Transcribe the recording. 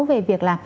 về việc là